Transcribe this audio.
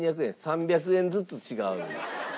３００円ずつ違う。